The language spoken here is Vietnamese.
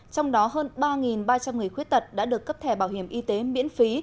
trong đó hơn ba ba trăm linh người khuyết tật đã được cấp thẻ bảo hiểm y tế miễn phí